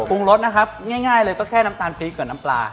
รสนะครับง่ายเลยก็แค่น้ำตาลพริกกับน้ำปลา